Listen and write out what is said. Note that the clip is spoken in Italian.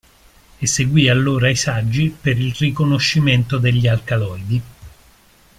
Eseguì allora i saggi per il riconoscimento degli alcaloidi.